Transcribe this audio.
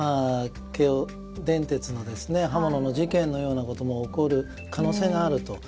京王電鉄の刃物の事件のようなことも起こる可能性があると。